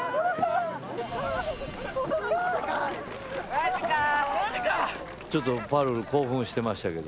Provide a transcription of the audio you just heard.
・マジか・・マジか・ちょっとぱるる興奮してましたけど。